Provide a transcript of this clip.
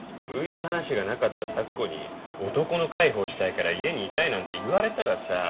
浮いた話がなかった咲子に男の介抱したいから家にいたいなんて言われたらさ。